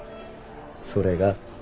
それが？